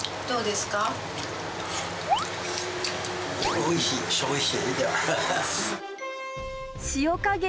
どうですか？